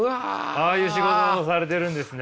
ああいう仕事をされてるんですね。